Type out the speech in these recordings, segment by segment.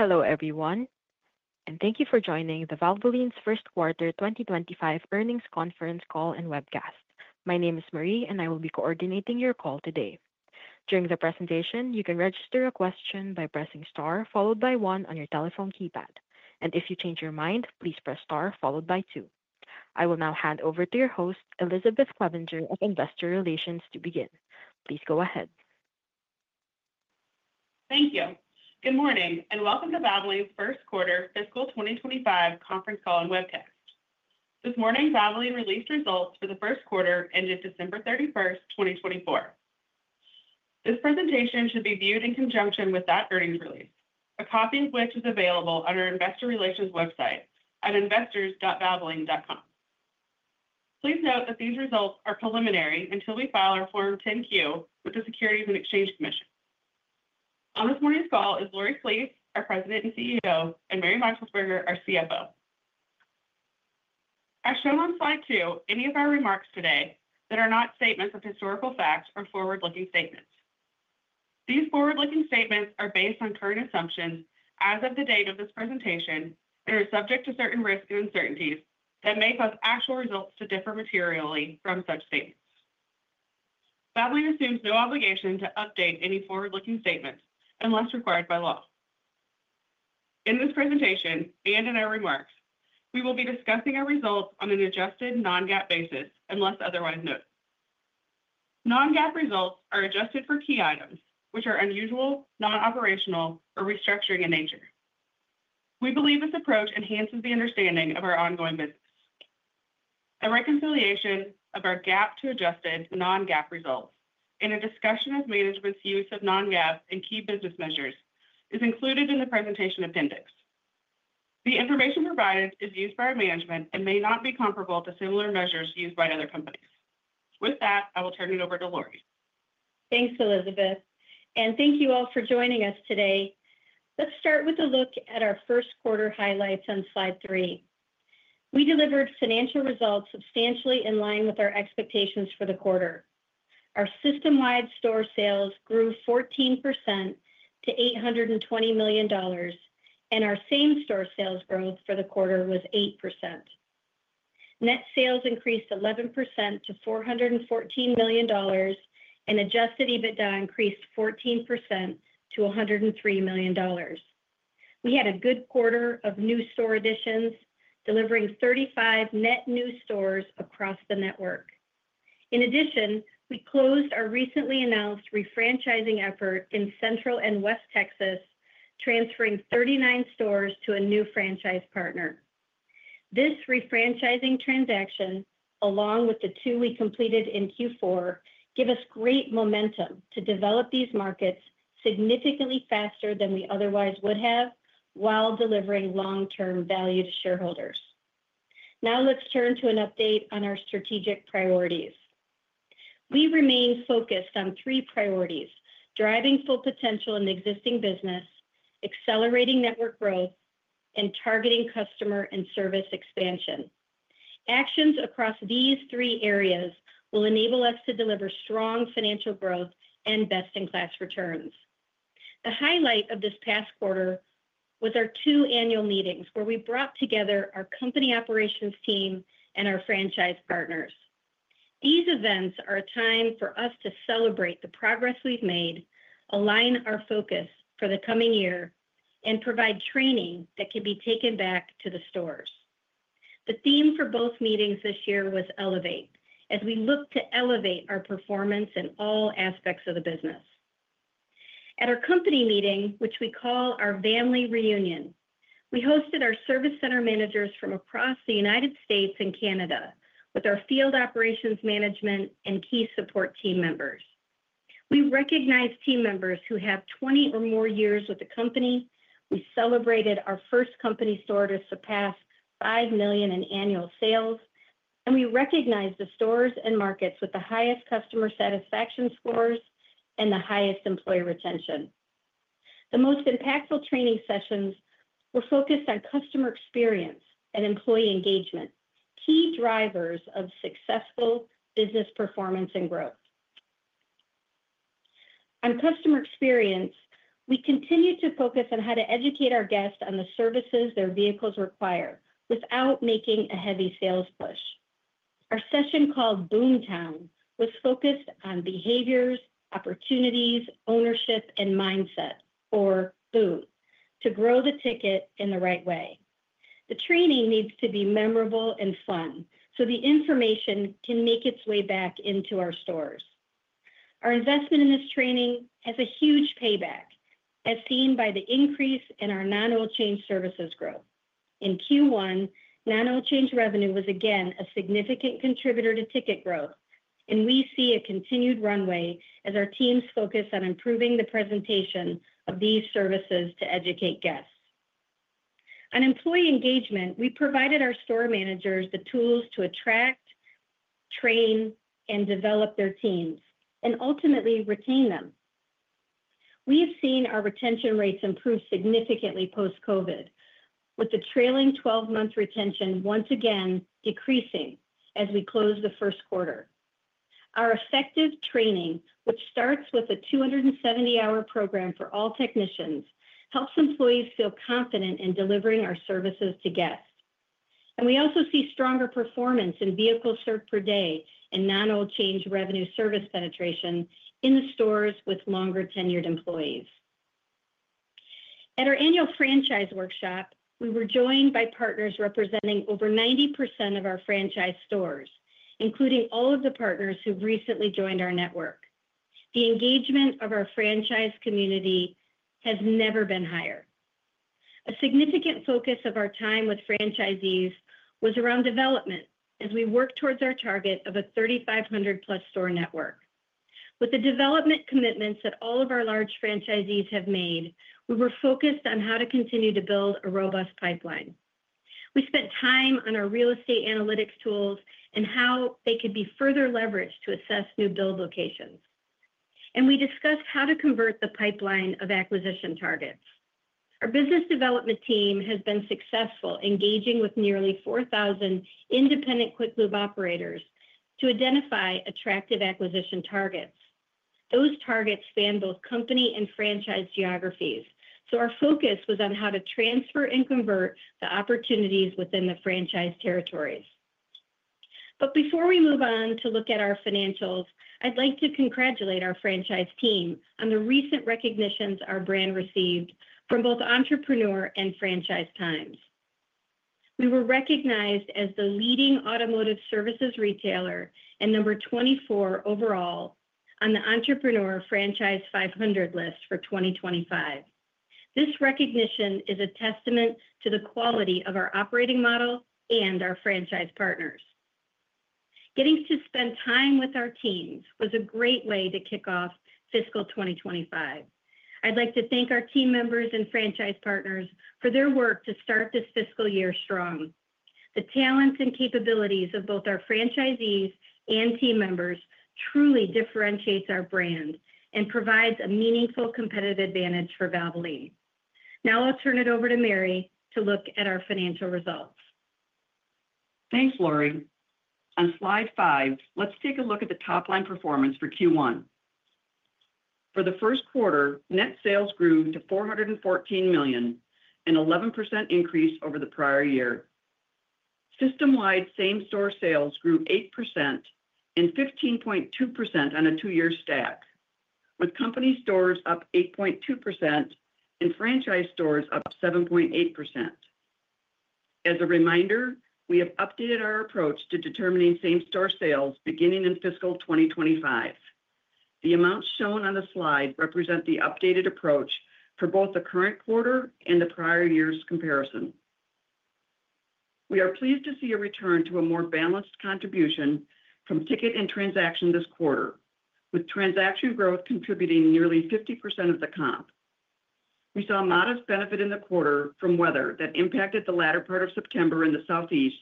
Hello, everyone, and thank you for joining the Valvoline's First Quarter 2025 Earnings Conference Call and Webcast. My name is Marie, and I will be coordinating your call today. During the presentation, you can register a question by pressing star followed by one on your telephone keypad, and if you change your mind, please press star followed by two. I will now hand over to your host, Elizabeth Clevinger of Investor Relations, to begin. Please go ahead. Thank you. Good morning and welcome to Valvoline's First Quarter Fiscal 2025 Conference Call and Webcast. This morning, Valvoline released results for the first quarter ended December 31st, 2024. This presentation should be viewed in conjunction with that earnings release, a copy of which is available on our Investor Relations website at investors.valvoline.com. Please note that these results are preliminary until we file our Form 10-Q with the Securities and Exchange Commission. On this morning's call is Lori Flees, our President and CEO, and Mary Meixelsperger, our CFO. As shown on slide two, any of our remarks today that are not statements of historical fact are forward-looking statements. These forward-looking statements are based on current assumptions as of the date of this presentation and are subject to certain risks and uncertainties that may cause actual results to differ materially from such statements. Valvoline assumes no obligation to update any forward-looking statements unless required by law. In this presentation and in our remarks, we will be discussing our results on an adjusted Non-GAAP basis unless otherwise noted. Non-GAAP results are adjusted for key items which are unusual, non-operational, or restructuring in nature. We believe this approach enhances the understanding of our ongoing business. A reconciliation of our GAAP to adjusted Non-GAAP results and a discussion of management's use of Non-GAAP and key business measures is included in the presentation appendix. The information provided is used by our management and may not be comparable to similar measures used by other companies. With that, I will turn it over to Lori. Thanks, Elizabeth, and thank you all for joining us today. Let's start with a look at our first quarter highlights on slide three. We delivered financial results substantially in line with our expectations for the quarter. Our system-wide store sales grew 14% to $820 million, and our same-store sales growth for the quarter was 8%. Net sales increased 11% to $414 million, and adjusted EBITDA increased 14% to $103 million. We had a good quarter of new store additions, delivering 35 net new stores across the network. In addition, we closed our recently announced refranchising effort in Central and West Texas, transferring 39 stores to a new franchise partner. This refranchising transaction, along with the two we completed in Q4, gives us great momentum to develop these markets significantly faster than we otherwise would have while delivering long-term value to shareholders. Now let's turn to an update on our strategic priorities. We remain focused on three priorities: driving full potential in existing business, accelerating network growth, and targeting customer and service expansion. Actions across these three areas will enable us to deliver strong financial growth and best-in-class returns. The highlight of this past quarter was our two annual meetings where we brought together our company operations team and our franchise partners. These events are a time for us to celebrate the progress we've made, align our focus for the coming year, and provide training that can be taken back to the stores. The theme for both meetings this year was Elevate, as we look to elevate our performance in all aspects of the business. At our company meeting, which we call our Family Reunion, we hosted our service center managers from across the United States and Canada with our field operations management and key support team members. We recognize team members who have 20 or more years with the company. We celebrated our first company store to surpass $5 million in annual sales, and we recognize the stores and markets with the highest customer satisfaction scores and the highest employee retention. The most impactful training sessions were focused on customer experience and employee engagement, key drivers of successful business performance and growth. On customer experience, we continue to focus on how to educate our guests on the services their vehicles require without making a heavy sales push. Our session called Boomtown was focused on behaviors, opportunities, ownership, and mindset, or BOOM, to grow the ticket in the right way. The training needs to be memorable and fun so the information can make its way back into our stores. Our investment in this training has a huge payback, as seen by the increase in our non-oil change services growth. In Q1, non-oil change revenue was again a significant contributor to ticket growth, and we see a continued runway as our teams focus on improving the presentation of these services to educate guests. On employee engagement, we provided our store managers the tools to attract, train, and develop their teams and ultimately retain them. We have seen our retention rates improve significantly post-COVID, with the trailing 12-month retention once again decreasing as we close the first quarter. Our effective training, which starts with a 270-hour program for all technicians, helps employees feel confident in delivering our services to guests. And we also see stronger performance in vehicle service per day and non-oil change revenue service penetration in the stores with longer-tenured employees. At our annual franchise workshop, we were joined by partners representing over 90% of our franchise stores, including all of the partners who've recently joined our network. The engagement of our franchise community has never been higher. A significant focus of our time with franchisees was around development as we worked towards our target of a 3,500-plus store network. With the development commitments that all of our large franchisees have made, we were focused on how to continue to build a robust pipeline. We spent time on our real estate analytics tools and how they could be further leveraged to assess new build locations and we discussed how to convert the pipeline of acquisition targets. Our business development team has been successful engaging with nearly 4,000 independent quick lube operators to identify attractive acquisition targets. Those targets span both company and franchise geographies, so our focus was on how to transfer and convert the opportunities within the franchise territories. But before we move on to look at our financials, I'd like to congratulate our franchise team on the recent recognitions our brand received from both Entrepreneur and Franchise Times. We were recognized as the leading automotive services retailer and number 24 overall on the Entrepreneur Franchise 500 list for 2025. This recognition is a testament to the quality of our operating model and our franchise partners. Getting to spend time with our teams was a great way to kick off fiscal 2025. I'd like to thank our team members and franchise partners for their work to start this fiscal year strong. The talents and capabilities of both our franchisees and team members truly differentiate our brand and provide a meaningful competitive advantage for Valvoline. Now I'll turn it over to Mary to look at our financial results. Thanks, Lori. On slide five, let's take a look at the top-line performance for Q1. For the first quarter, net sales grew to $414 million, an 11% increase over the prior year. System-wide, same-store sales grew 8% and 15.2% on a two-year stack, with company stores up 8.2% and franchise stores up 7.8%. As a reminder, we have updated our approach to determining same-store sales beginning in fiscal 2025. The amounts shown on the slide represent the updated approach for both the current quarter and the prior year's comparison. We are pleased to see a return to a more balanced contribution from ticket and transaction this quarter, with transaction growth contributing nearly 50% of the comp. We saw modest benefit in the quarter from weather that impacted the latter part of September in the Southeast,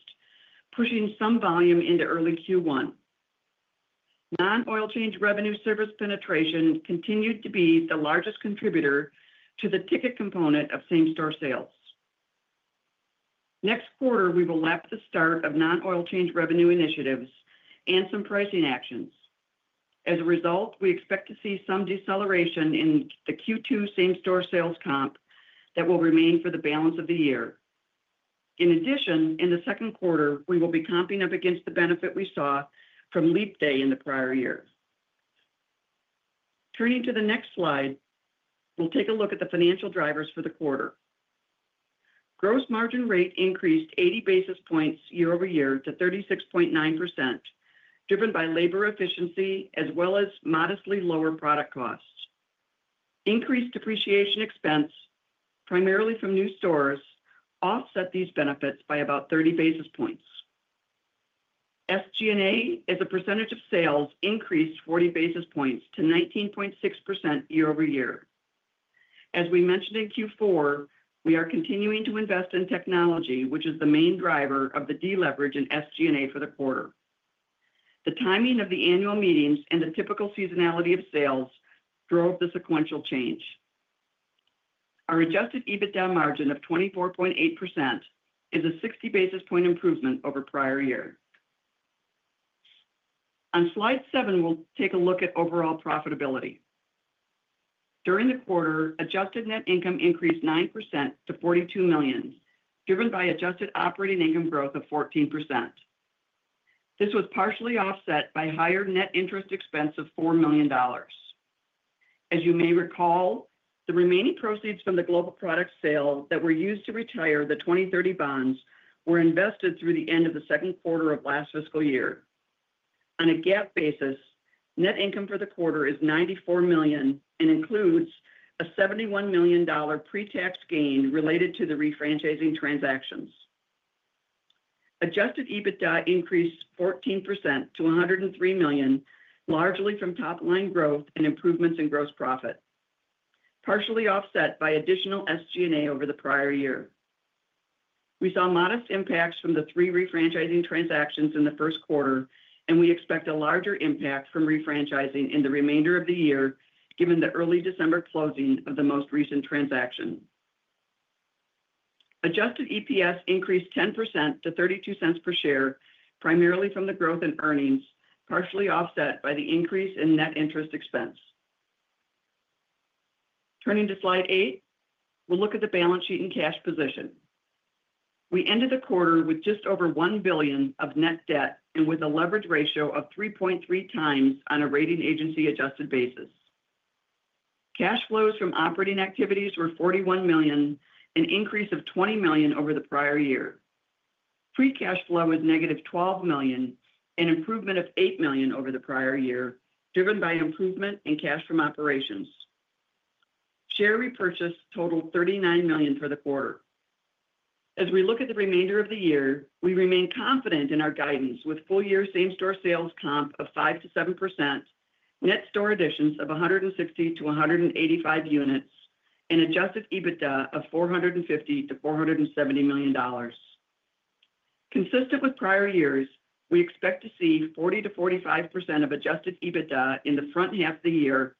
pushing some volume into early Q1. Non-oil change revenue service penetration continued to be the largest contributor to the ticket component of same-store sales. Next quarter, we will lap the start of non-oil change revenue initiatives and some pricing actions. As a result, we expect to see some deceleration in the Q2 same-store sales comp that will remain for the balance of the year. In addition, in the second quarter, we will be comping up against the benefit we saw from leap day in the prior year. Turning to the next slide, we'll take a look at the financial drivers for the quarter. Gross margin rate increased 80 basis points year-over-year to 36.9%, driven by labor efficiency as well as modestly lower product costs. Increased depreciation expense, primarily from new stores, offset these benefits by about 30 basis points. SG&A as a percentage of sales increased 40 basis points to 19.6% year-over-year. As we mentioned in Q4, we are continuing to invest in technology, which is the main driver of the deleverage in SG&A for the quarter. The timing of the annual meetings and the typical seasonality of sales drove the sequential change. Our adjusted EBITDA margin of 24.8% is a 60 basis point improvement over prior year. On slide seven, we'll take a look at overall profitability. During the quarter, adjusted net income increased 9% to $42 million, driven by adjusted operating income growth of 14%. This was partially offset by higher net interest expense of $4 million. As you may recall, the remaining proceeds from the global product sale that were used to retire the 2030 bonds were invested through the end of the second quarter of last fiscal year. On a GAAP basis, net income for the quarter is $94 million and includes a $71 million pre-tax gain related to the refranchising transactions. Adjusted EBITDA increased 14% to $103 million, largely from top-line growth and improvements in gross profit, partially offset by additional SG&A over the prior year. We saw modest impacts from the three refranchising transactions in the first quarter, and we expect a larger impact from refranchising in the remainder of the year, given the early December closing of the most recent transaction. Adjusted EPS increased 10% to $0.32 per share, primarily from the growth in earnings, partially offset by the increase in net interest expense. Turning to slide eight, we'll look at the balance sheet and cash position. We ended the quarter with just over $1 billion of net debt and with a leverage ratio of 3.3 times on a rating agency adjusted basis. Cash flows from operating activities were $41 million, an increase of $20 million over the prior year. Free cash flow was negative $12 million, an improvement of $8 million over the prior year, driven by improvement in cash from operations. Share repurchase totaled $39 million for the quarter. As we look at the remainder of the year, we remain confident in our guidance with full-year same-store sales comp of 5%-7%, net store additions of 160 to 185 units, and adjusted EBITDA of $450-$470 million. Consistent with prior years, we expect to see 40%-45% of adjusted EBITDA in the front half of the year,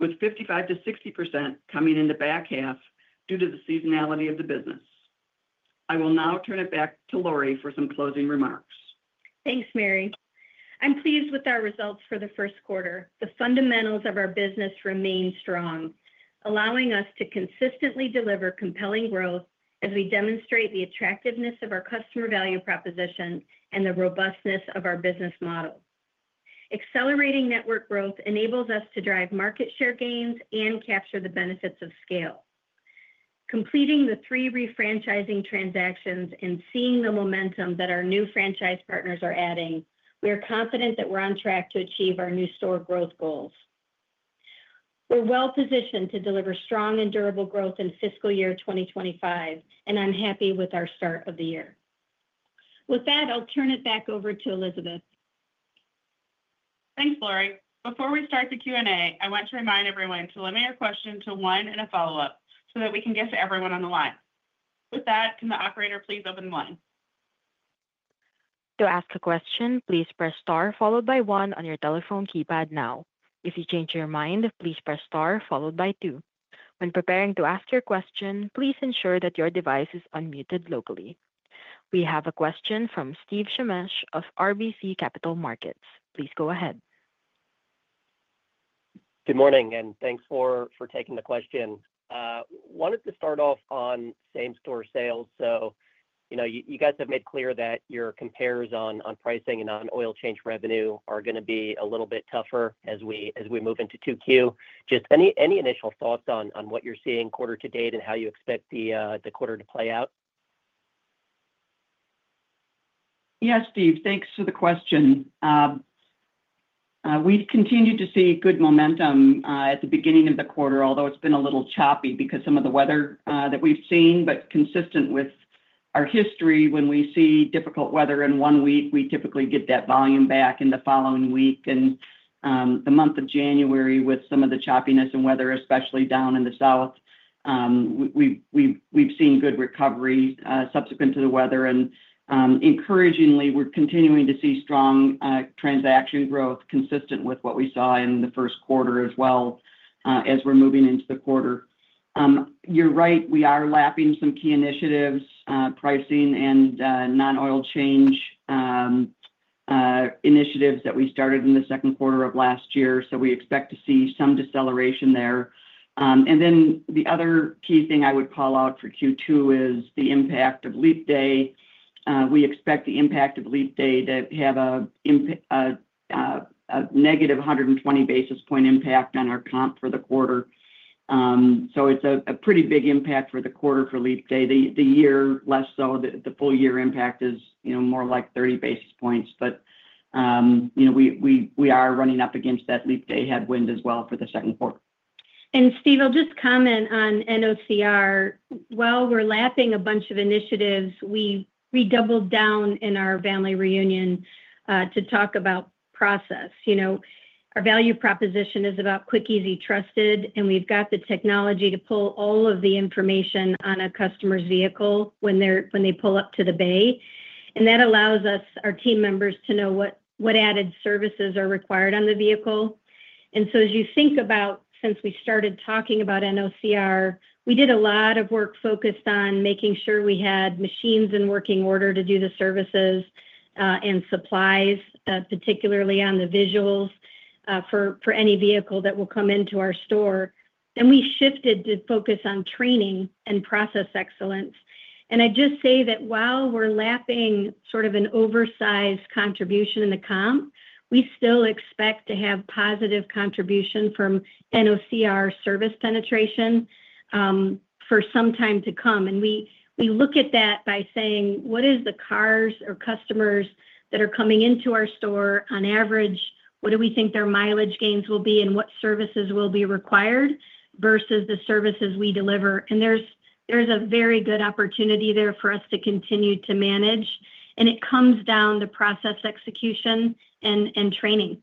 with 55%-60% coming in the back half due to the seasonality of the business. I will now turn it back to Lori for some closing remarks. Thanks, Mary. I'm pleased with our results for the first quarter. The fundamentals of our business remain strong, allowing us to consistently deliver compelling growth as we demonstrate the attractiveness of our customer value proposition and the robustness of our business model. Accelerating network growth enables us to drive market share gains and capture the benefits of scale. Completing the three refranchising transactions and seeing the momentum that our new franchise partners are adding, we are confident that we're on track to achieve our new store growth goals. We're well positioned to deliver strong and durable growth in fiscal year 2025, and I'm happy with our start of the year. With that, I'll turn it back over to Elizabeth. Thanks, Lori. Before we start the Q&A, I want to remind everyone to limit your question to one and a follow-up so that we can get to everyone on the line. With that, can the operator please open the line? To ask a question, please press star followed by one on your telephone keypad now. If you change your mind, please press star followed by two. When preparing to ask your question, please ensure that your device is unmuted locally. We have a question from Steve Shemesh of RBC Capital Markets. Please go ahead. Good morning, and thanks for taking the question. Wanted to start off on same-store sales. So you guys have made clear that your compares on pricing and on oil change revenue are going to be a little bit tougher as we move into Q2. Just any initial thoughts on what you're seeing quarter to date and how you expect the quarter to play out? Yes, Steve, thanks for the question. We've continued to see good momentum at the beginning of the quarter, although it's been a little choppy because of some of the weather that we've seen, but consistent with our history, when we see difficult weather in one week, we typically get that volume back in the following week, and the month of January, with some of the choppiness in weather, especially down in the South, we've seen good recovery subsequent to the weather, and encouragingly, we're continuing to see strong transaction growth consistent with what we saw in the first quarter as well as we're moving into the quarter. You're right, we are lapping some key initiatives, pricing, and non-oil change initiatives that we started in the second quarter of last year, so we expect to see some deceleration there. And then the other key thing I would call out for Q2 is the impact of leap day. We expect the impact of leap day to have a negative 120 basis point impact on our comp for the quarter. So it's a pretty big impact for the quarter for leap day. The year, less so. The full-year impact is more like 30 basis points. But we are running up against that leap day headwind as well for the second quarter. And Steve, I'll just comment on NOCR. While we're lapping a bunch of initiatives, we doubled down in our Family Reunion to talk about process. Our value proposition is about quick, easy, trusted, and we've got the technology to pull all of the information on a customer's vehicle when they pull up to the bay. And that allows us, our team members, to know what added services are required on the vehicle. And so as you think about, since we started talking about NOCR, we did a lot of work focused on making sure we had machines in working order to do the services and supplies, particularly on the visuals for any vehicle that will come into our store. Then we shifted to focus on training and process excellence. And I just say that while we're lapping sort of an oversized contribution in the comp, we still expect to have positive contribution from NOCR service penetration for some time to come. And we look at that by saying, what is the cars or customers that are coming into our store on average? What do we think their mileage gains will be and what services will be required versus the services we deliver? And there's a very good opportunity there for us to continue to manage. And it comes down to process execution and training.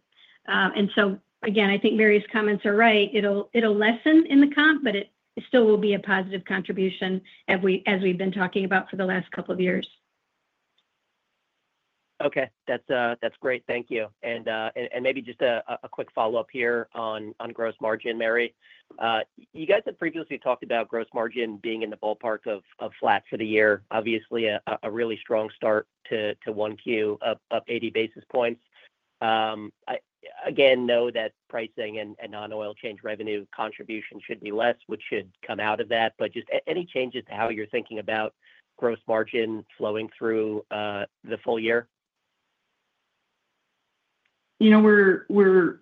And so again, I think Mary's comments are right. It'll lessen in the comp, but it still will be a positive contribution, as we've been talking about for the last couple of years. Okay, that's great. Thank you, and maybe just a quick follow-up here on gross margin, Mary. You guys have previously talked about gross margin being in the ballpark of flat for the year. Obviously, a really strong start to 1Q of 80 basis points. Again, I know that pricing and non-oil change revenue contribution should be less, which should come out of that, but just any changes to how you're thinking about gross margin flowing through the full year? You know, we're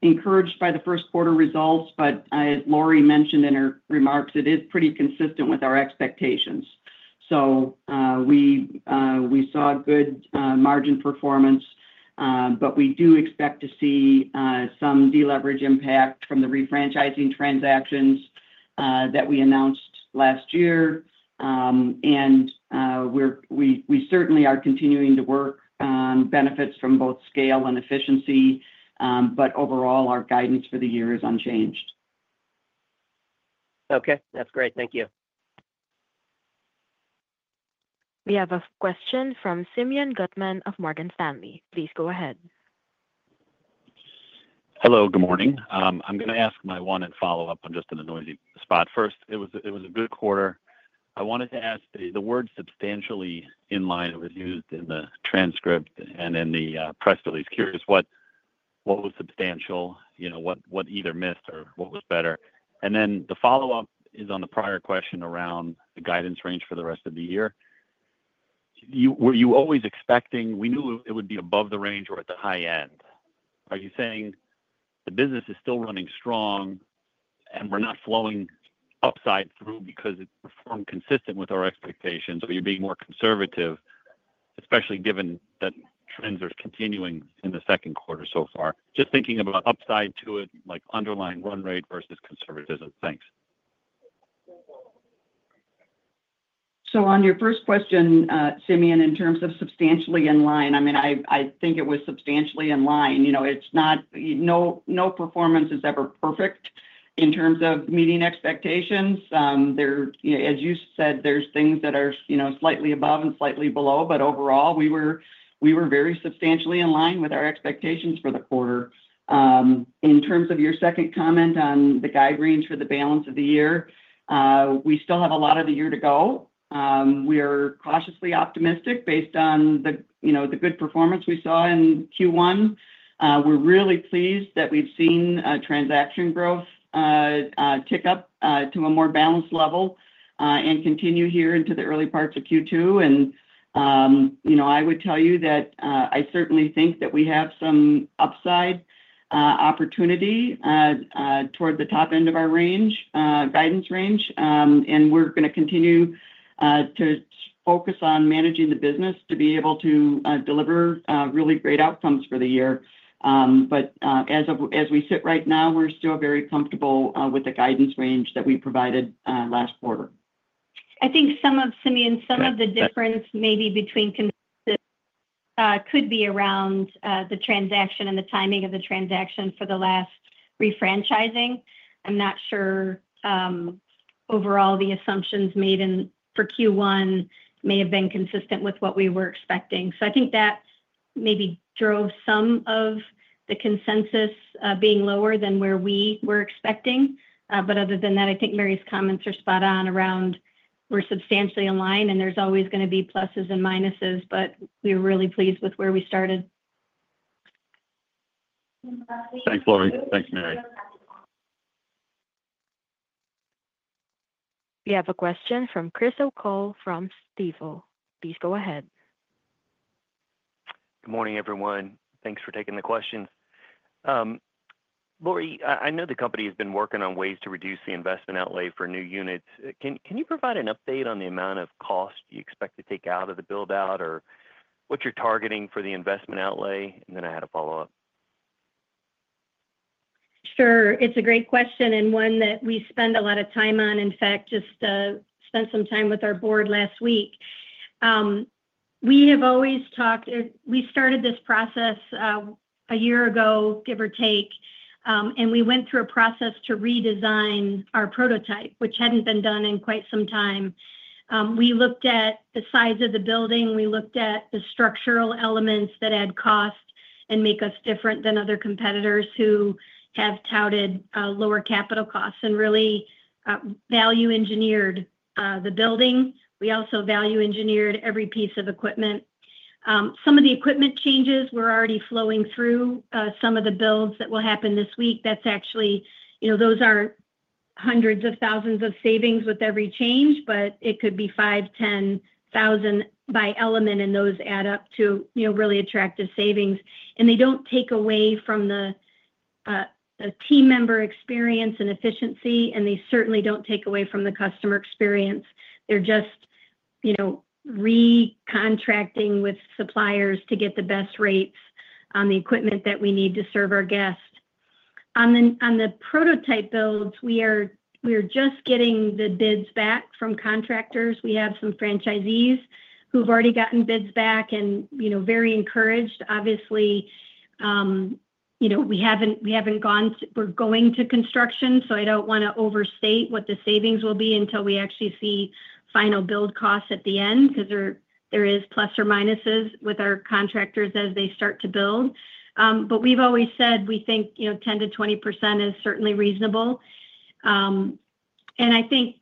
encouraged by the first quarter results, but as Lori mentioned in her remarks, it is pretty consistent with our expectations. So we saw good margin performance, but we do expect to see some deleverage impact from the refranchising transactions that we announced last year. And we certainly are continuing to work on benefits from both scale and efficiency. But overall, our guidance for the year is unchanged. Okay, that's great. Thank you. We have a question from Simeon Gutman of Morgan Stanley. Please go ahead. Hello, good morning. I'm going to ask my one and follow-up. I'm just in a noisy spot first. It was a good quarter. I wanted to ask the word "substantially in line" was used in the transcript and in the press release. Curious what was substantial, what either missed, or what was better. And then the follow-up is on the prior question around the guidance range for the rest of the year. Were you always expecting we knew it would be above the range or at the high end? Are you saying the business is still running strong and we're not flowing upside through because it performed consistent with our expectations, or are you being more conservative, especially given that trends are continuing in the second quarter so far? Just thinking about upside to it, like underlying run rate versus conservatism. Thanks. So on your first question, Simeon, in terms of substantially in line, I mean, I think it was substantially in line. No performance is ever perfect in terms of meeting expectations. As you said, there's things that are slightly above and slightly below, but overall, we were very substantially in line with our expectations for the quarter. In terms of your second comment on the guide range for the balance of the year, we still have a lot of the year to go. We are cautiously optimistic based on the good performance we saw in Q1. We're really pleased that we've seen transaction growth tick up to a more balanced level and continue here into the early parts of Q2. And I would tell you that I certainly think that we have some upside opportunity toward the top end of our guidance range. And we're going to continue to focus on managing the business to be able to deliver really great outcomes for the year. But as we sit right now, we're still very comfortable with the guidance range that we provided last quarter. I think, Simeon, some of the difference maybe between could be around the transaction and the timing of the transaction for the last refranchising. I'm not sure overall the assumptions made for Q1 may have been consistent with what we were expecting. So I think that maybe drove some of the consensus being lower than where we were expecting. But other than that, I think Mary's comments are spot on around we're substantially in line, and there's always going to be pluses and minuses, but we're really pleased with where we started. Thanks, Lori. Thanks, Mary. We have a question from Chris O'Cull from Stifel. Please go ahead. Good morning, everyone. Thanks for taking the question. Lori, I know the company has been working on ways to reduce the investment outlay for new units. Can you provide an update on the amount of cost you expect to take out of the build-out, or what you're targeting for the investment outlay? And then I had a follow-up. Sure. It's a great question and one that we spend a lot of time on. In fact, just spent some time with our board last week. We have always talked we started this process a year ago, give or take, and we went through a process to redesign our prototype, which hadn't been done in quite some time. We looked at the size of the building. We looked at the structural elements that add cost and make us different than other competitors who have touted lower capital costs and really value engineered the building. We also value engineered every piece of equipment. Some of the equipment changes were already flowing through some of the builds that will happen this week. That's actually those aren't hundreds of thousands of savings with every change, but it could be five, 10 thousand by element, and those add up to really attractive savings. And they don't take away from the team member experience and efficiency, and they certainly don't take away from the customer experience. They're just recontracting with suppliers to get the best rates on the equipment that we need to serve our guests. On the prototype builds, we are just getting the bids back from contractors. We have some franchisees who've already gotten bids back and are very encouraged. Obviously, we haven't gone to construction. We're going to construction, so I don't want to overstate what the savings will be until we actually see final build costs at the end because there are pluses or minuses with our contractors as they start to build. But we've always said we think 10%-20% is certainly reasonable. And I think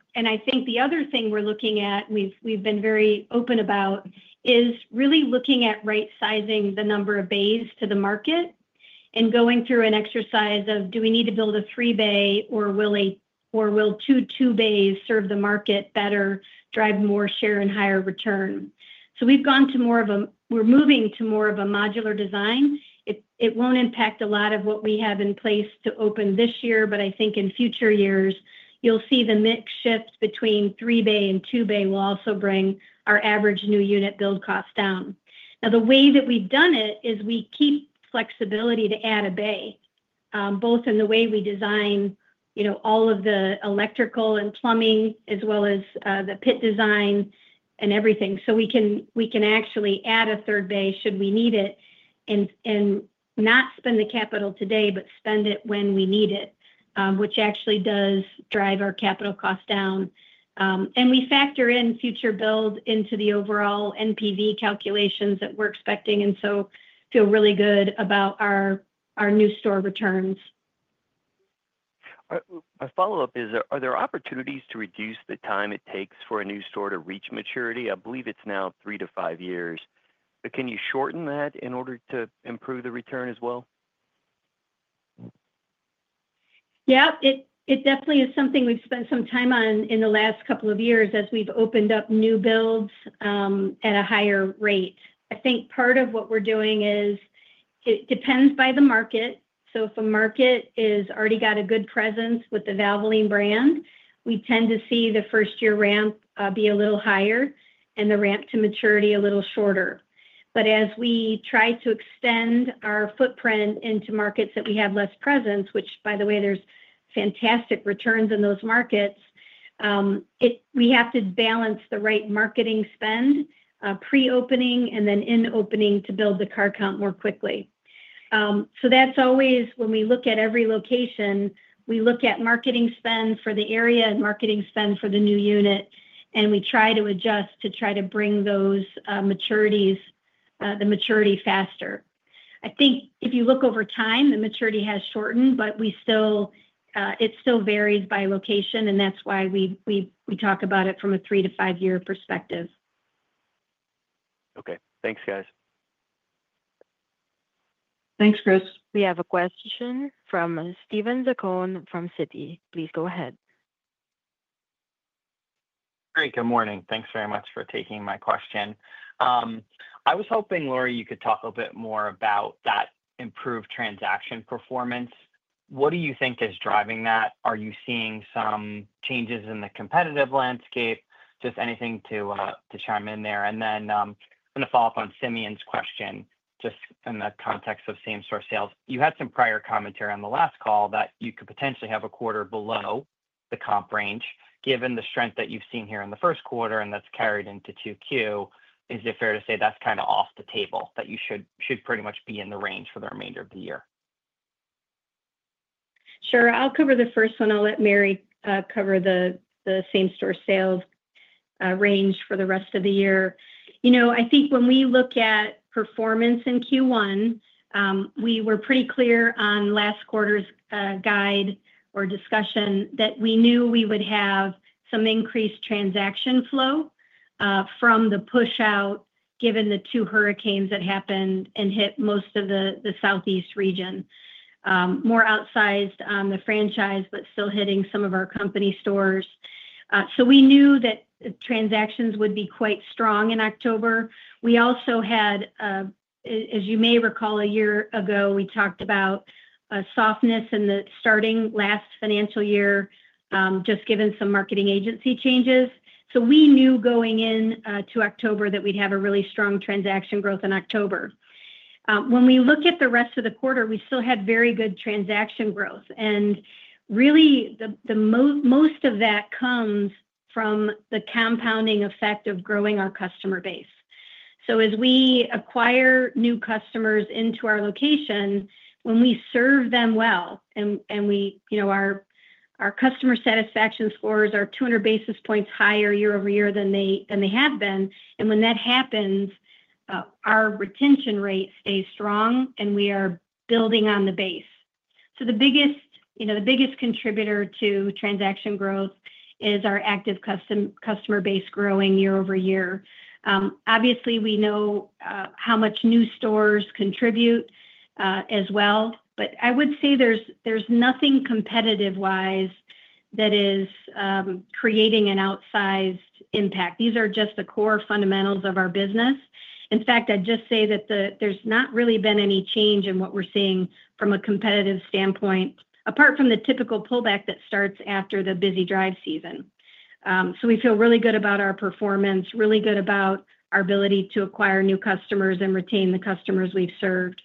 the other thing we're looking at, we've been very open about, is really looking at right-sizing the number of bays to the market and going through an exercise of do we need to build a three-bay, or will two two-bays serve the market better, drive more share, and higher return? So we've gone to more of a we're moving to more of a modular design. It won't impact a lot of what we have in place to open this year, but I think in future years, you'll see the mix shift between three-bay and two-bay will also bring our average new unit build costs down. Now, the way that we've done it is we keep flexibility to add a bay, both in the way we design all of the electrical and plumbing, as well as the pit design and everything. So we can actually add a third bay should we need it and not spend the capital today, but spend it when we need it, which actually does drive our capital costs down. And we factor in future builds into the overall NPV calculations that we're expecting, and so feel really good about our new store returns. My follow-up is, are there opportunities to reduce the time it takes for a new store to reach maturity? I believe it's now three to five years. But can you shorten that in order to improve the return as well? Yeah, it definitely is something we've spent some time on in the last couple of years as we've opened up new builds at a higher rate. I think part of what we're doing is it depends by the market. So if a market has already got a good presence with the Valvoline brand, we tend to see the first-year ramp be a little higher and the ramp to maturity a little shorter. But as we try to extend our footprint into markets that we have less presence, which, by the way, there's fantastic returns in those markets, we have to balance the right marketing spend pre-opening and then in-opening to build the car count more quickly. So that's always when we look at every location, we look at marketing spend for the area and marketing spend for the new unit, and we try to adjust to try to bring the maturity faster. I think if you look over time, the maturity has shortened, but it still varies by location, and that's why we talk about it from a three to five-year perspective. Okay, thanks, guys. Thanks, Chris. We have a question from Steven Zaccone from Citi. Please go ahead. Hi, good morning. Thanks very much for taking my question. I was hoping, Lori, you could talk a bit more about that improved transaction performance. What do you think is driving that? Are you seeing some changes in the competitive landscape? Just anything to chime in there. And then I'm going to follow up on Simeon's question, just in the context of same-store sales. You had some prior commentary on the last call that you could potentially have a quarter below the comp range, given the strength that you've seen here in the first quarter, and that's carried into Q2. Is it fair to say that's kind of off the table, that you should pretty much be in the range for the remainder of the year? Sure. I'll cover the first one. I'll let Mary cover the same-store sales range for the rest of the year. I think when we look at performance in Q1, we were pretty clear on last quarter's guide or discussion that we knew we would have some increased transaction flow from the push-out, given the two hurricanes that happened and hit most of the Southeast region. More outsized on the franchise, but still hitting some of our company stores. So we knew that transactions would be quite strong in October. We also had, as you may recall, a year ago, we talked about a softness in the starting last financial year, just given some marketing agency changes. So we knew going into October that we'd have a really strong transaction growth in October. When we look at the rest of the quarter, we still had very good transaction growth. And really, most of that comes from the compounding effect of growing our customer base. So as we acquire new customers into our location, when we serve them well and our customer satisfaction scores are 200 basis points higher year over year than they have been, and when that happens, our retention rate stays strong and we are building on the base. So the biggest contributor to transaction growth is our active customer base growing year-over-year. Obviously, we know how much new stores contribute as well, but I would say there's nothing competitive-wise that is creating an outsized impact. These are just the core fundamentals of our business. In fact, I'd just say that there's not really been any change in what we're seeing from a competitive standpoint, apart from the typical pullback that starts after the busy drive season. So we feel really good about our performance, really good about our ability to acquire new customers and retain the customers we've served.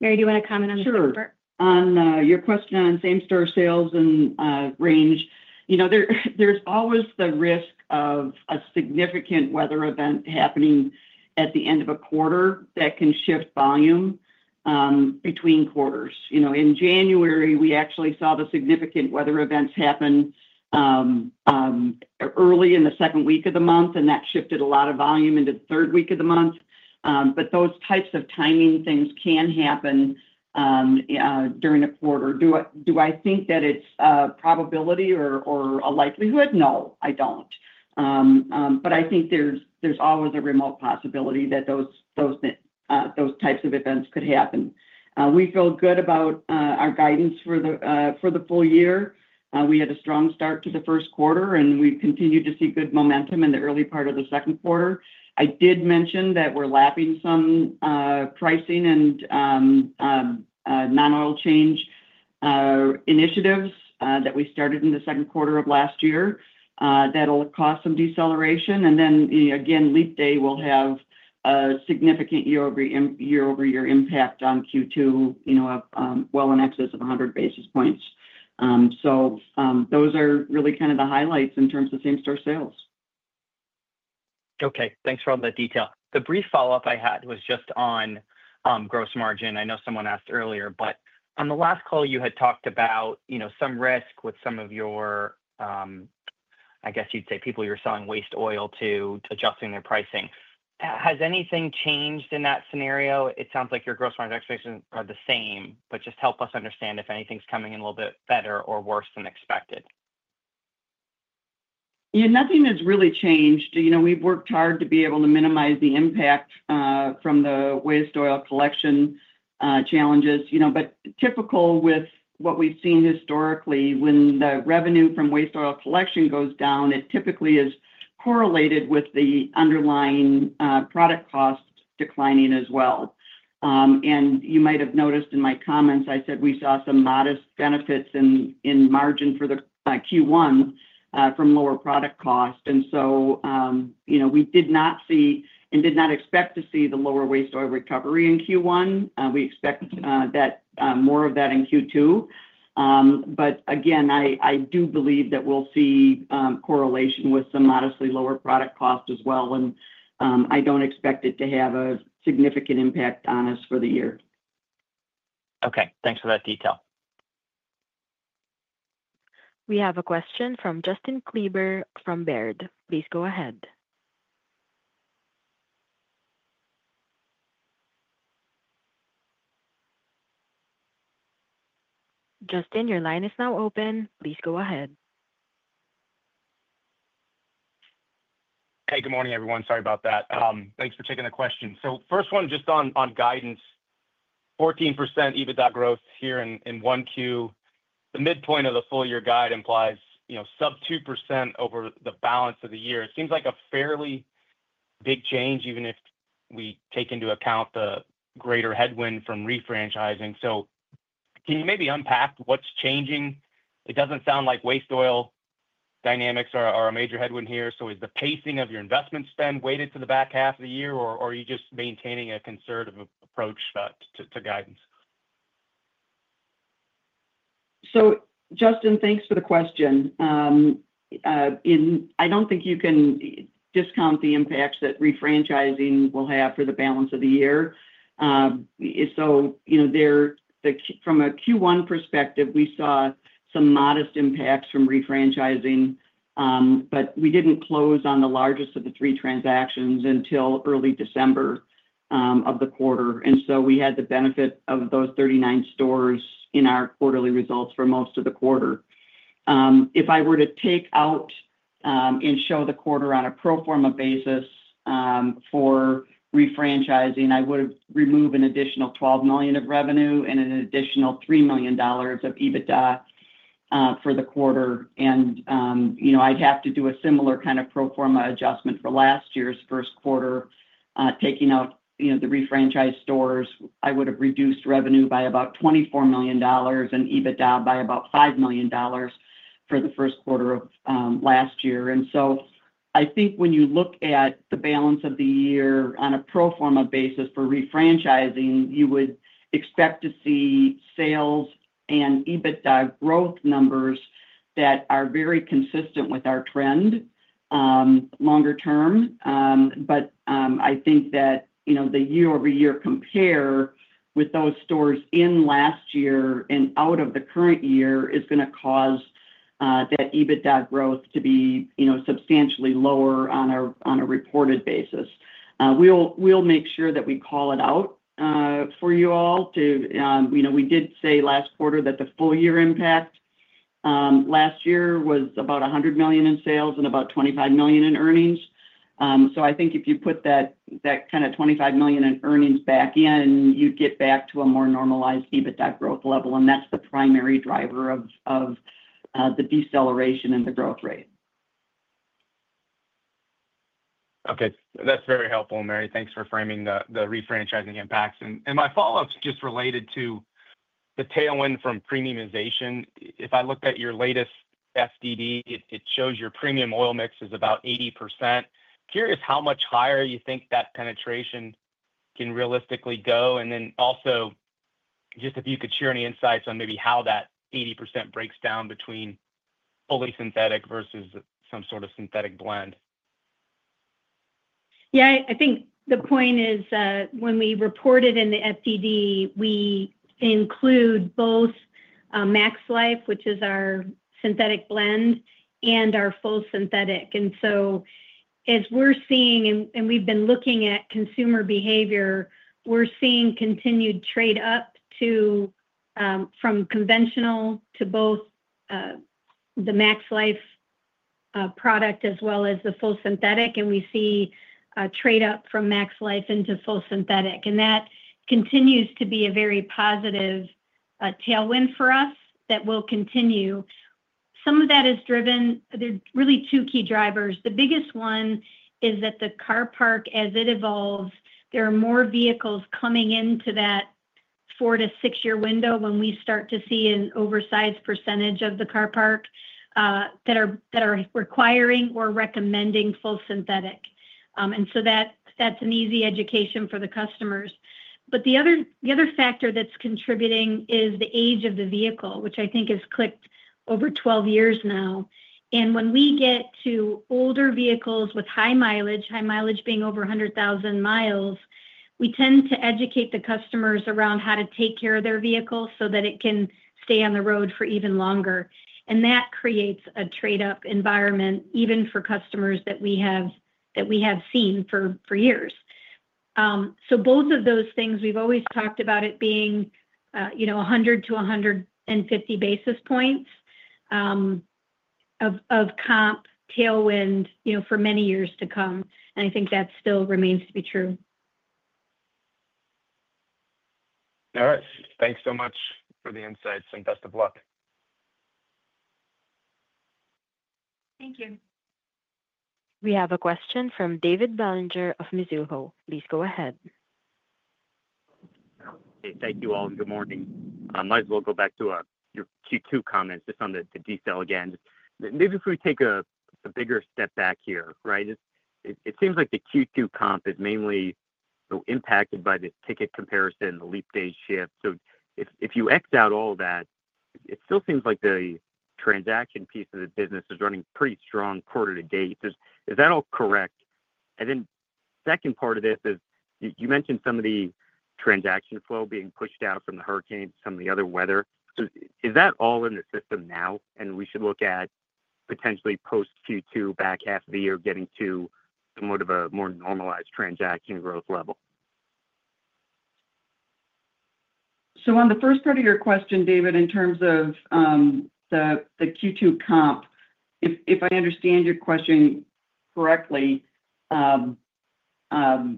Mary, do you want to comment on this? Sure. On your question on same-store sales and range, there's always the risk of a significant weather event happening at the end of a quarter that can shift volume between quarters. In January, we actually saw the significant weather events happen early in the second week of the month, and that shifted a lot of volume into the third week of the month. But those types of timing things can happen during a quarter. Do I think that it's a probability or a likelihood? No, I don't. But I think there's always a remote possibility that those types of events could happen. We feel good about our guidance for the full year. We had a strong start to the first quarter, and we've continued to see good momentum in the early part of the second quarter. I did mention that we're lapping some pricing and non-oil change initiatives that we started in the second quarter of last year that will cause some deceleration. And then, again, Leap Day, we'll have a significant year-over-year impact on Q2, well in excess of 100 basis points. So those are really kind of the highlights in terms of same-store sales. Okay, thanks for all the detail. The brief follow-up I had was just on gross margin. I know someone asked earlier, but on the last call, you had talked about some risk with some of your, I guess you'd say, people you're selling waste oil to adjusting their pricing. Has anything changed in that scenario? It sounds like your gross margin expectations are the same, but just help us understand if anything's coming in a little bit better or worse than expected. Yeah, nothing has really changed. We've worked hard to be able to minimize the impact from the waste oil collection challenges. But typical with what we've seen historically, when the revenue from waste oil collection goes down, it typically is correlated with the underlying product cost declining as well. And you might have noticed in my comments, I said we saw some modest benefits in margin for the Q1 from lower product cost. And so we did not see and did not expect to see the lower waste oil recovery in Q1. We expect more of that in Q2. But again, I do believe that we'll see correlation with some modestly lower product cost as well, and I don't expect it to have a significant impact on us for the year. Okay, thanks for that detail. We have a question from Justin Kleber from Baird. Please go ahead. Justin, your line is now open. Please go ahead. Hey, good morning, everyone. Sorry about that. Thanks for taking the question. So first one, just on guidance, 14% EBITDA growth here in Q1. The midpoint of the full-year guide implies sub 2% over the balance of the year. It seems like a fairly big change, even if we take into account the greater headwind from refranchising. So can you maybe unpack what's changing? It doesn't sound like waste oil dynamics are a major headwind here. So is the pacing of your investment spend weighted to the back half of the year, or are you just maintaining a concerted approach to guidance? So Justin, thanks for the question. I don't think you can discount the impacts that refranchising will have for the balance of the year. So from a Q1 perspective, we saw some modest impacts from refranchising, but we didn't close on the largest of the three transactions until early December of the quarter. And so we had the benefit of those 39 stores in our quarterly results for most of the quarter. If I were to take out and show the quarter on a pro forma basis for refranchising, I would remove an additional $12 million of revenue and an additional $3 million of EBITDA for the quarter. And I'd have to do a similar kind of pro forma adjustment for last year's first quarter, taking out the refranchised stores. I would have reduced revenue by about $24 million and EBITDA by about $5 million for the first quarter of last year. And so I think when you look at the balance of the year on a pro forma basis for refranchising, you would expect to see sales and EBITDA growth numbers that are very consistent with our trend longer term. But I think that the year-over-year compare with those stores in last year and out of the current year is going to cause that EBITDA growth to be substantially lower on a reported basis. We'll make sure that we call it out for you all. We did say last quarter that the full-year impact last year was about $100 million in sales and about $25 million in earnings. So I think if you put that kind of $25 million in earnings back in, you'd get back to a more normalized EBITDA growth level, and that's the primary driver of the deceleration in the growth rate. Okay, that's very helpful, Mary. Thanks for framing the refranchising impacts. And my follow-up's just related to the tailwind from premiumization. If I look at your latest FDD, it shows your premium oil mix is about 80%. Curious how much higher you think that penetration can realistically go? And then also, just if you could share any insights on maybe how that 80% breaks down between fully synthetic versus some sort of synthetic blend? Yeah, I think the point is when we reported in the FDD, we include both MaxLife, which is our synthetic blend, and our full synthetic. And so as we're seeing, and we've been looking at consumer behavior, we're seeing continued trade-up from conventional to both the MaxLife product as well as the full synthetic, and we see a trade-up from MaxLife into full synthetic. And that continues to be a very positive tailwind for us that will continue. Some of that is driven. There are really two key drivers. The biggest one is that the car parc, as it evolves, there are more vehicles coming into that four-to-six-year window when we start to see an oversized percentage of the car parc that are requiring or recommending full synthetic. And so that's an easy education for the customers. But the other factor that's contributing is the age of the vehicle, which I think has clicked over 12 years now. And when we get to older vehicles with high mileage, high mileage being over 100,000 miles, we tend to educate the customers around how to take care of their vehicle so that it can stay on the road for even longer. And that creates a trade-up environment, even for customers that we have seen for years. So both of those things, we've always talked about it being 100-150 basis points of comp tailwind for many years to come. And I think that still remains to be true. All right. Thanks so much for the insights and best of luck. Thank you. We have a question from David Bellinger of Mizuho. Please go ahead. Thank you all, and good morning. Might as well go back to your Q2 comments just on the detail again. Maybe if we take a bigger step back here, right? It seems like the Q2 comp is mainly impacted by the ticket comparison, the Leap Day shift. So if you X out all that, it still seems like the transaction piece of the business is running pretty strong quarter to date. Is that all correct? And then the second part of this is you mentioned some of the transaction flow being pushed out from the hurricane, some of the other weather. So is that all in the system now? And we should look at potentially post Q2, back half of the year, getting to somewhat of a more normalized transaction growth level. So on the first part of your question, David, in terms of the Q2 comp, if I understand your question correctly, from a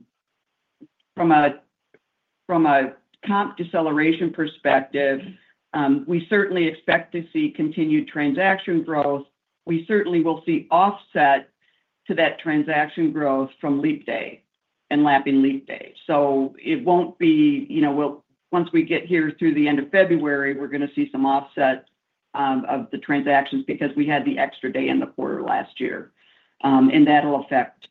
comp deceleration perspective, we certainly expect to see continued transaction growth. We certainly will see offset to that transaction growth from leap day and lapping leap day. It won't be once we get here through the end of February. We're going to see some offset of the transactions because we had the extra day in the quarter last year. That'll affect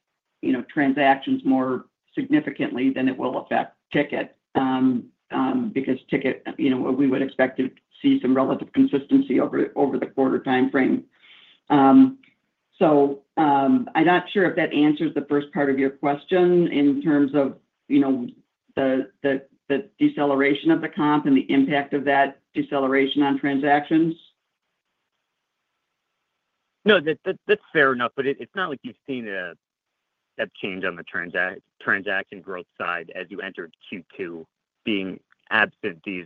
transactions more significantly than it will affect ticket because ticket, we would expect to see some relative consistency over the quarter timeframe. I'm not sure if that answers the first part of your question in terms of the deceleration of the comp and the impact of that deceleration on transactions. No, that's fair enough. But it's not like you've seen a change on the transaction growth side as you entered Q2, being absent these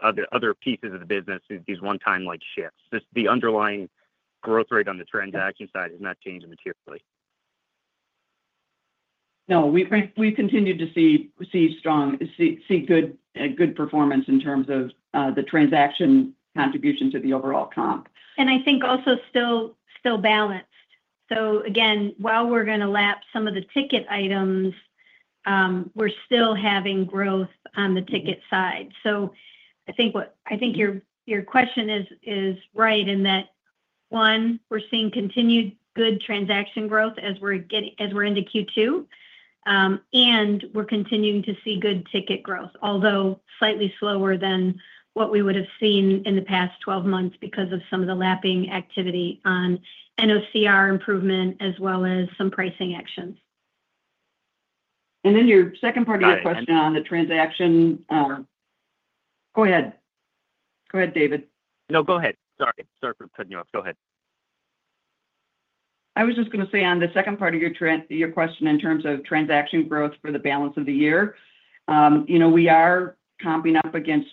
other pieces of the business, these one-time-like shifts. Just the underlying growth rate on the transaction side has not changed materially. No, we've continued to see good performance in terms of the transaction contribution to the overall comp. I think also still balanced. So again, while we're going to lap some of the ticket items, we're still having growth on the ticket side. So I think your question is right in that, one, we're seeing continued good transaction growth as we're into Q2, and we're continuing to see good ticket growth, although slightly slower than what we would have seen in the past 12 months because of some of the lapping activity on NOCR improvement as well as some pricing actions. And then, your second part of your question on the transaction, go ahead. Go ahead, David. No, go ahead. Sorry. Sorry for cutting you off. Go ahead. I was just going to say on the second part of your question in terms of transaction growth for the balance of the year, we are comping up against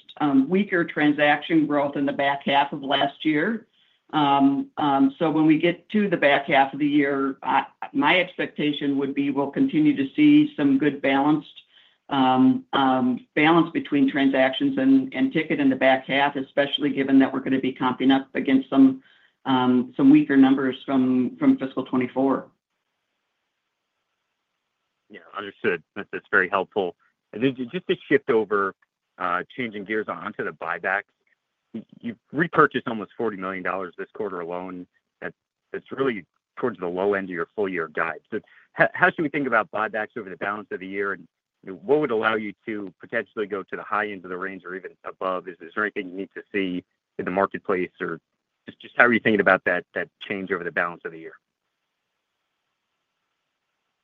weaker transaction growth in the back half of last year. So when we get to the back half of the year, my expectation would be we'll continue to see some good balance between transactions and ticket in the back half, especially given that we're going to be comping up against some weaker numbers from fiscal 2024. Yeah, understood. That's very helpful. And then just to shift over, changing gears onto the buybacks, you've repurchased almost $40 million this quarter alone. That's really towards the low end of your full-year guide. So how should we think about buybacks over the balance of the year? And what would allow you to potentially go to the high end of the range or even above? Is there anything you need to see in the marketplace? Or just how are you thinking about that change over the balance of the year?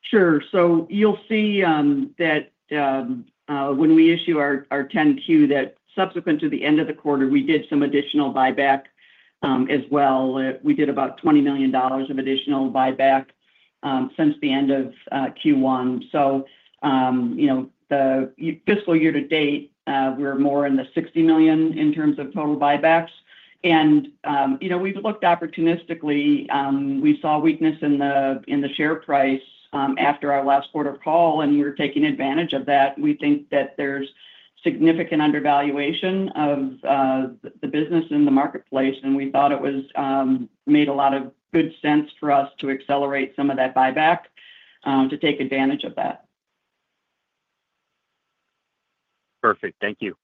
Sure, so you'll see that when we issue our 10-Q, that subsequent to the end of the quarter, we did some additional buyback as well. We did about $20 million of additional buyback since the end of Q1. So the fiscal year to date, we're more in the $60 million in terms of total buybacks. And we've looked opportunistically. We saw weakness in the share price after our last quarter call, and we were taking advantage of that. We think that there's significant undervaluation of the business in the marketplace, and we thought it made a lot of good sense for us to accelerate some of that buyback to take advantage of that. Perfect. Thank you.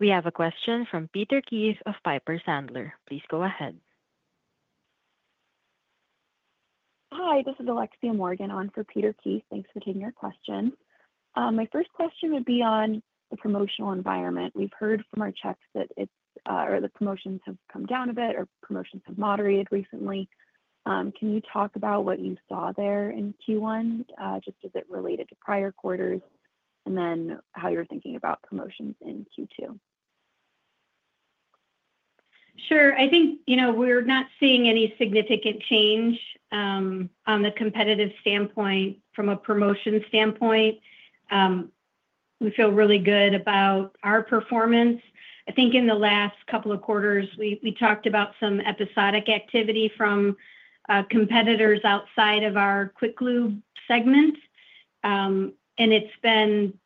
We have a question from Peter Keith of Piper Sandler. Please go ahead. Hi, this is Alexia Morgan on for Peter Keith. Thanks for taking your question. My first question would be on the promotional environment. We've heard from our checks that the promotions have come down a bit or promotions have moderated recently. Can you talk about what you saw there in Q1, just as it related to prior quarters, and then how you're thinking about promotions in Q2? Sure. I think we're not seeing any significant change on the competitive standpoint from a promotion standpoint. We feel really good about our performance. I think in the last couple of quarters, we talked about some episodic activity from competitors outside of our quick lube segment. And it's been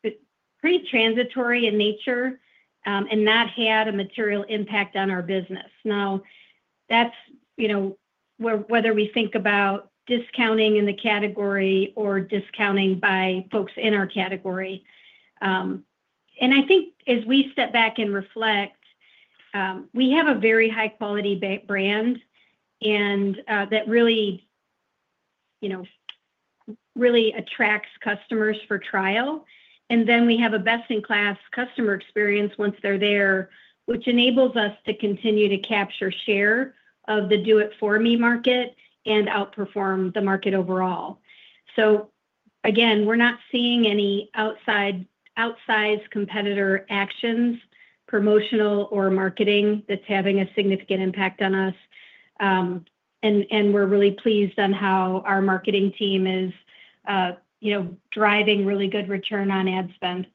pretty transitory in nature and not had a material impact on our business. Now, that's whether we think about discounting in the category or discounting by folks in our category. And I think as we step back and reflect, we have a very high-quality brand that really attracts customers for trial. And then we have a best-in-class customer experience once they're there, which enables us to continue to capture share of the Do-It-For-Me market and outperform the market overall. So again, we're not seeing any outside competitor actions, promotional, or marketing that's having a significant impact on us. We're really pleased on how our marketing team is driving really good return on ad spend.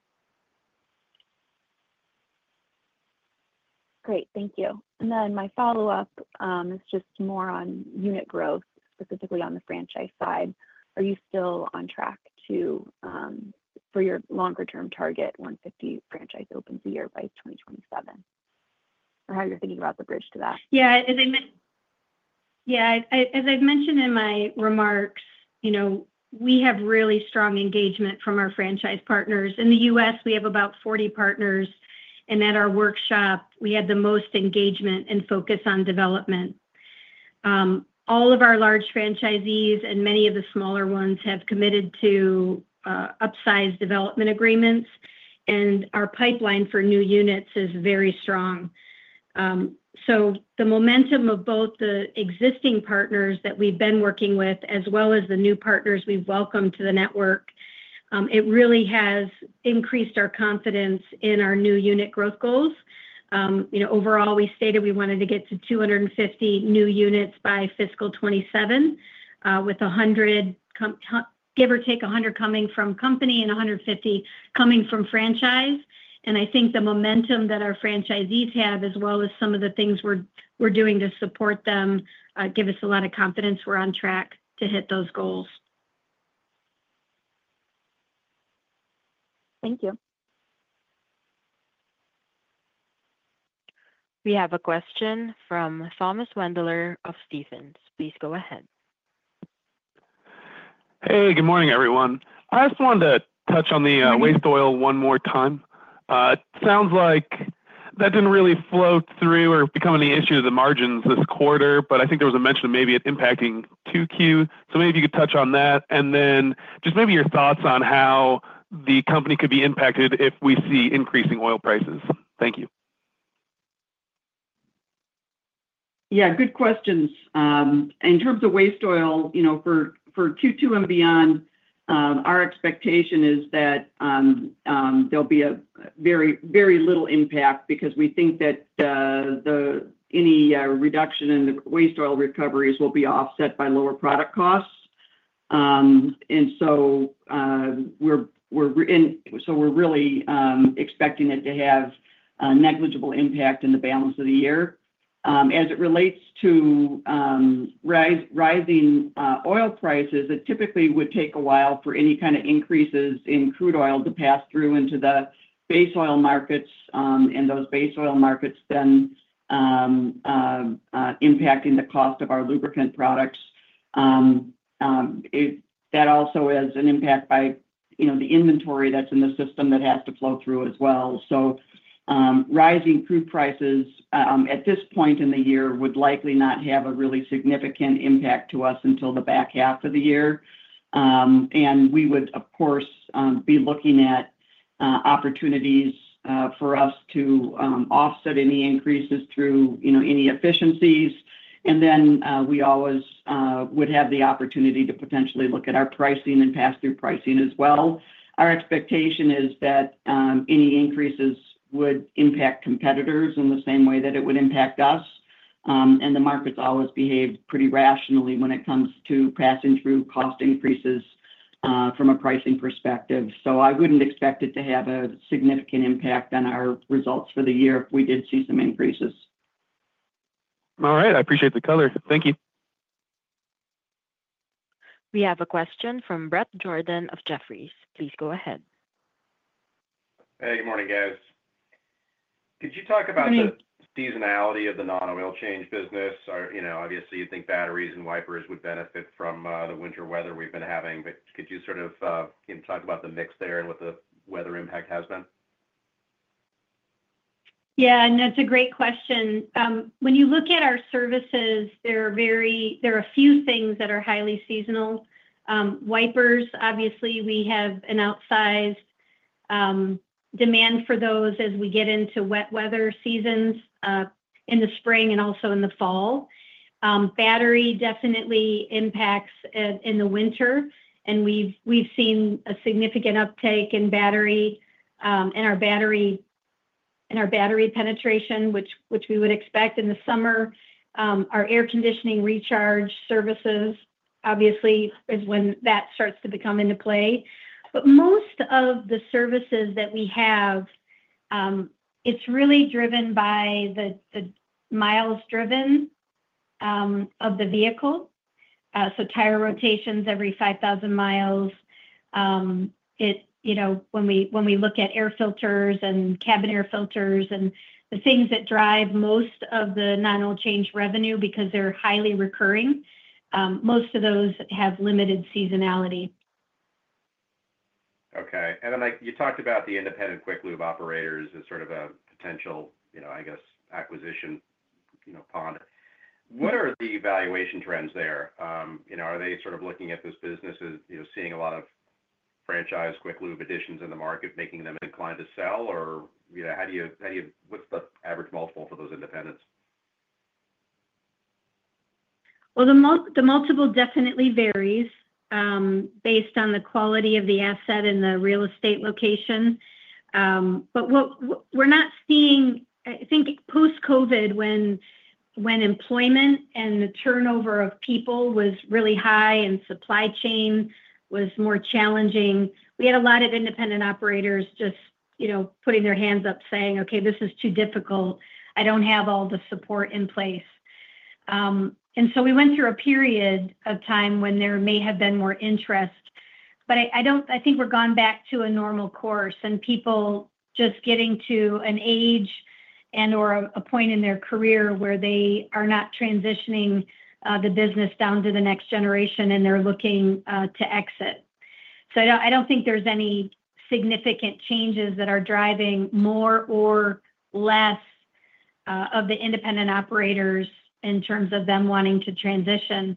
Great. Thank you. And then my follow-up is just more on unit growth, specifically on the franchise side. Are you still on track for your longer-term target, 150 franchise opens a year by 2027? Or how are you thinking about the bridge to that? Yeah. As I mentioned in my remarks, we have really strong engagement from our franchise partners. In the U.S., we have about 40 partners. And at our workshop, we had the most engagement and focus on development. All of our large franchisees and many of the smaller ones have committed to upsize development agreements, and our pipeline for new units is very strong. So the momentum of both the existing partners that we've been working with as well as the new partners we've welcomed to the network, it really has increased our confidence in our new unit growth goals. Overall, we stated we wanted to get to 250 new units by fiscal 2027, with give or take 100 coming from company and 150 coming from franchise. I think the momentum that our franchisees have, as well as some of the things we're doing to support them, gives us a lot of confidence we're on track to hit those goals. Thank you. We have a question from Thomas Wendler of Stephens. Please go ahead. Hey, good morning, everyone. I just wanted to touch on the waste oil one more time. It sounds like that didn't really flow through or become any issue to the margins this quarter, but I think there was a mention of maybe it impacting 2Q. So maybe if you could touch on that. And then just maybe your thoughts on how the company could be impacted if we see increasing oil prices. Thank you. Yeah, good questions. In terms of waste oil, for Q2 and beyond, our expectation is that there'll be very little impact because we think that any reduction in the waste oil recoveries will be offset by lower product costs. And so we're really expecting it to have a negligible impact in the balance of the year. As it relates to rising oil prices, it typically would take a while for any kind of increases in crude oil to pass through into the base oil markets, and those base oil markets then impacting the cost of our lubricant products. That also is an impact by the inventory that's in the system that has to flow through as well. So rising crude prices at this point in the year would likely not have a really significant impact to us until the back half of the year. And we would, of course, be looking at opportunities for us to offset any increases through any efficiencies. And then we always would have the opportunity to potentially look at our pricing and pass-through pricing as well. Our expectation is that any increases would impact competitors in the same way that it would impact us. And the markets always behave pretty rationally when it comes to passing through cost increases from a pricing perspective. So I wouldn't expect it to have a significant impact on our results for the year if we did see some increases. All right. I appreciate the color. Thank you. We have a question from Bret Jordan of Jefferies. Please go ahead. Hey, good morning, guys. Could you talk about the seasonality of the non-oil change business? Obviously, you'd think batteries and wipers would benefit from the winter weather we've been having. But could you sort of talk about the mix there and what the weather impact has been? Yeah. And that's a great question. When you look at our services, there are a few things that are highly seasonal. Wipers, obviously, we have an outsized demand for those as we get into wet weather seasons in the spring and also in the fall. Battery definitely impacts in the winter. And we've seen a significant uptake in our battery penetration, which we would expect in the summer. Our air conditioning recharge services, obviously, is when that starts to become into play. But most of the services that we have, it's really driven by the miles driven of the vehicle. So tire rotations every 5,000 miles. When we look at air filters and cabin air filters and the things that drive most of the non-oil change revenue because they're highly recurring, most of those have limited seasonality. Okay. And then you talked about the independent quick lube operators as sort of a potential, I guess, acquisition pond. What are the valuation trends there? Are they sort of looking at this business as seeing a lot of franchise quick lube additions in the market, making them inclined to sell? Or how do you—what's the average multiple for those independents? The multiple definitely varies based on the quality of the asset and the real estate location. But we're not seeing. I think post-COVID, when employment and the turnover of people was really high and supply chain was more challenging, we had a lot of independent operators just putting their hands up saying, "Okay, this is too difficult. I don't have all the support in place." And so we went through a period of time when there may have been more interest. But I think we're gone back to a normal course and people just getting to an age and/or a point in their career where they are not transitioning the business down to the next generation and they're looking to exit. So I don't think there's any significant changes that are driving more or less of the independent operators in terms of them wanting to transition.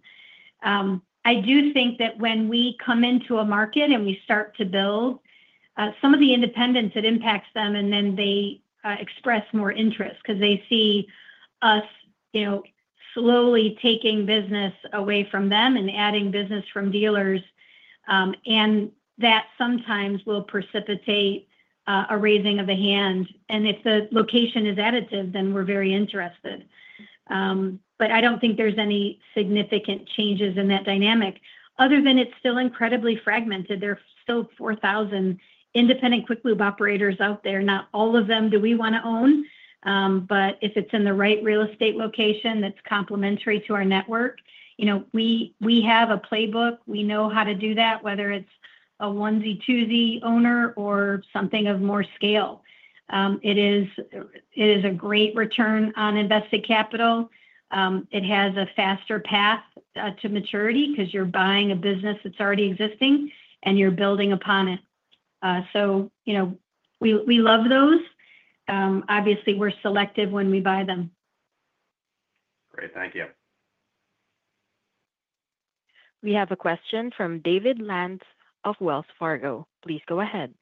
I do think that when we come into a market and we start to build, some of the independents, it impacts them, and then they express more interest because they see us slowly taking business away from them and adding business from dealers. And that sometimes will precipitate a raising of the hand. And if the location is additive, then we're very interested. But I don't think there's any significant changes in that dynamic. Other than it's still incredibly fragmented, there are still 4,000 independent quick lube operators out there. Not all of them do we want to own. But if it's in the right real estate location that's complementary to our network, we have a playbook. We know how to do that, whether it's a onesie-twosie owner or something of more scale. It is a great return on invested capital. It has a faster path to maturity because you're buying a business that's already existing and you're building upon it. So we love those. Obviously, we're selective when we buy them. Great. Thank you. We have a question from David Lantz of Wells Fargo. Please go ahead.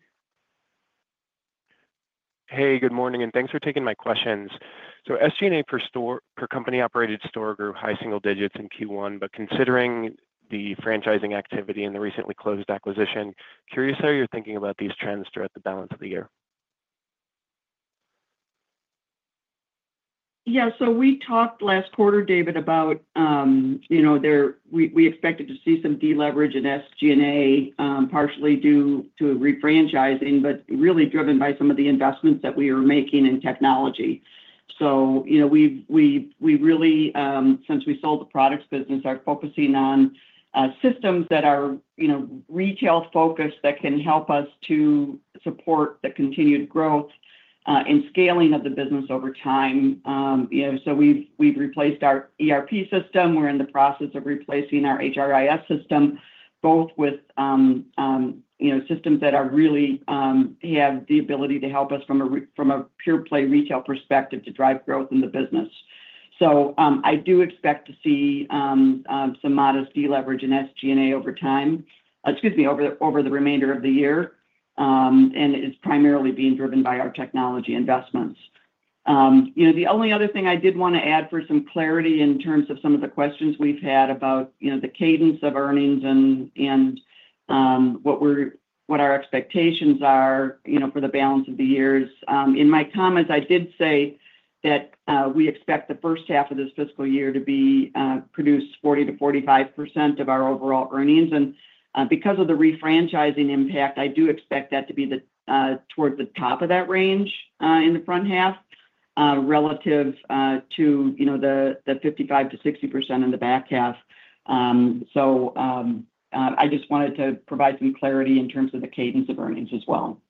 Hey, good morning, and thanks for taking my questions. So SG&A per company-operated store grew high single digits in Q1, but considering the franchising activity and the recently closed acquisition, curious how you're thinking about these trends throughout the balance of the year? Yeah. So we talked last quarter, David, about we expected to see some deleverage in SG&A partially due to refranchising, but really driven by some of the investments that we are making in technology. So we really, since we sold the products business, are focusing on systems that are retail-focused that can help us to support the continued growth and scaling of the business over time. So we've replaced our ERP system. We're in the process of replacing our HRIS system, both with systems that really have the ability to help us from a pure-play retail perspective to drive growth in the business. So I do expect to see some modest deleverage in SG&A over time, excuse me, over the remainder of the year, and it's primarily being driven by our technology investments. The only other thing I did want to add for some clarity in terms of some of the questions we've had about the cadence of earnings and what our expectations are for the balance of the year. In my comments, I did say that we expect the first half of this fiscal year to produce 40%-45% of our overall earnings. And because of the refranchising impact, I do expect that to be towards the top of that range in the front half relative to the 55%-60% in the back half. So I just wanted to provide some clarity in terms of the cadence of earnings as well.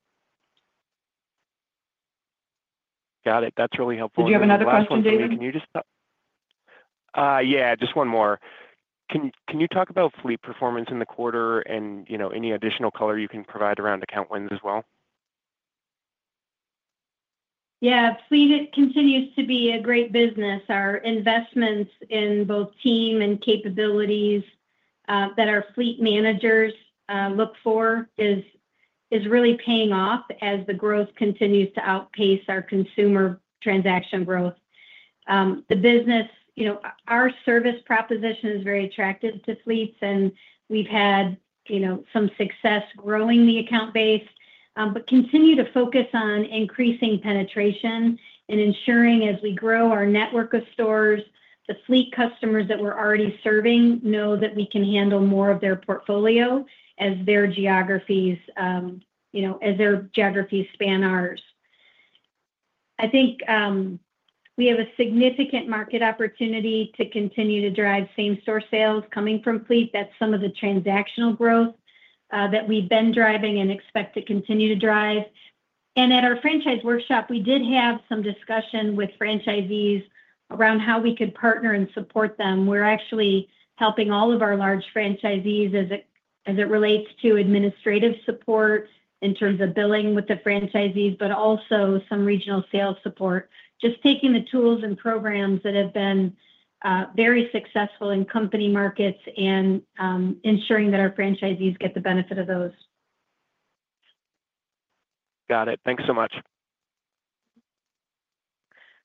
Got it. That's really helpful. Did you have another question, David? Can you just stop? Yeah, just one more. Can you talk about fleet performance in the quarter and any additional color you can provide around account wins as well? Yeah. Fleet continues to be a great business. Our investments in both team and capabilities that our Fleet managers look for is really paying off as the growth continues to outpace our consumer transaction growth. The business, our service proposition is very attractive to fleets, and we've had some success growing the account base, but continue to focus on increasing penetration and ensuring as we grow our network of stores, the Fleet customers that we're already serving know that we can handle more of their portfolio as their geographies span ours. I think we have a significant market opportunity to continue to drive same-store sales coming from Fleet. That's some of the transactional growth that we've been driving and expect to continue to drive, and at our franchise workshop, we did have some discussion with franchisees around how we could partner and support them. We're actually helping all of our large franchisees as it relates to administrative support in terms of billing with the franchisees, but also some regional sales support, just taking the tools and programs that have been very successful in company markets and ensuring that our franchisees get the benefit of those. Got it. Thanks so much.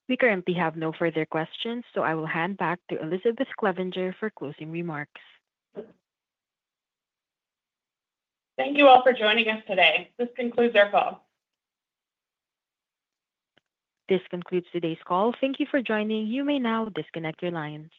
We currently have no further questions, so I will hand back to Elizabeth Clevinger for closing remarks. Thank you all for joining us today. This concludes our call. This concludes today's call. Thank you for joining. You may now disconnect your lines.